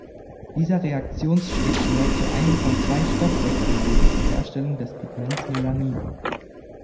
Dieser Reaktionsschritt gehört zu einem von zwei Stoffwechselwegen zur Herstellung des Pigments Melanin.